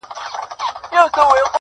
دغه هم ښائسته جواب دے لاجواب دے